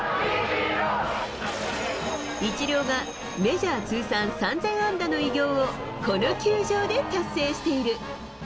イチローがメジャー通算３０００安打の偉業を、この球場で達成している。